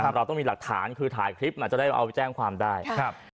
เราต้องมีหลักฐานคือถ่ายคลิปจะได้เอาไปแจ้งความได้ครับ